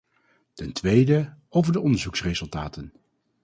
Ten tweede over de onderzoeksresultaten.